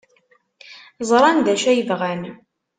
Ẓran d acu ay bɣan.